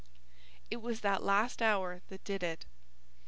It was that last hour that did it.